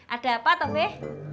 ada apa tobeh